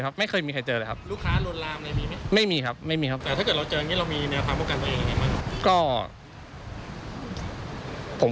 ผมว่าเขาน่าจะโรคจิตครับโรคจิตแน่นอนใช่ไหมครับครับผม